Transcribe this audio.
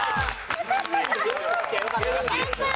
やったー！